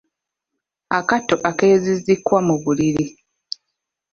Akatto akeezizikwa mu buliri.